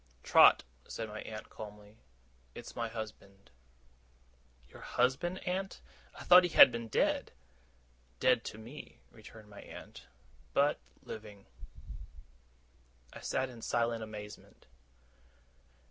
'Trot,' said my aunt, calmly, 'it's my husband.' 'Your husband, aunt? I thought he had been dead!' 'Dead to me,' returned my aunt, 'but living.' I sat in silent amazement.